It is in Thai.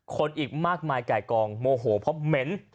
อีกมากมายไก่กองโมโหเพราะเหม็น